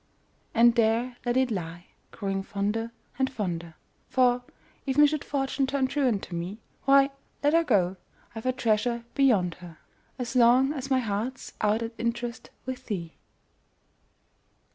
And there let it lie, growing fonder and, fonder For, even should Fortune turn truant to me, Why, let her go I've a treasure beyond her, As long as my heart's out at interest With thee!